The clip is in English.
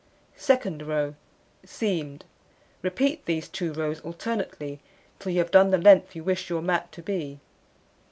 Second row: Seamed: repeat these 2 rows alternately till you have done the length you wish your mat to be.